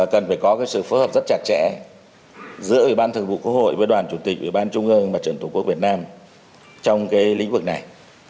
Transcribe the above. cần phải có sự phối hợp rất chặt chẽ giữa ubthq với đoàn chủ tịch ubthq việt nam trong lĩnh vực này